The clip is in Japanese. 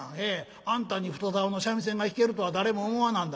あんたに太ざおの三味線が弾けるとは誰も思わなんだ。